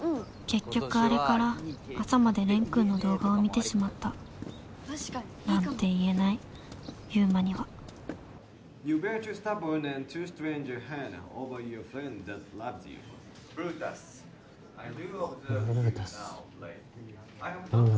結局あれから朝まで蓮君の動画を見てしまったなんて言えない悠真にはブルータス何だ？